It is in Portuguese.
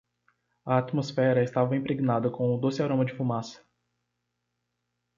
A atmosfera estava impregnada com o doce aroma de fumaça.